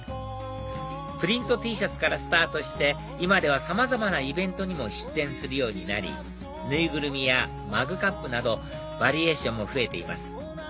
プリントＴシャツからスタートして今ではさまざまなイベントにも出店するようになり縫いぐるみやマグカップなどバリエーションも増えています